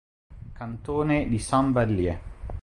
Cantone di Saint-Vallier